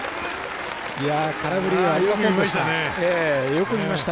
空振りではありませんでした。